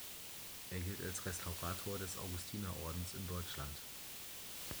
Er gilt als Restaurator des Augustinerordens in Deutschland.